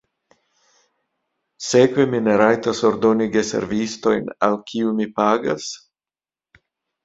Sekve mi ne rajtas ordoni geservistojn, al kiuj mi pagas?